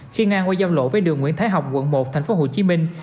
khi ngang qua giao lộ với đường nguyễn thái học quận một thành phố hồ chí minh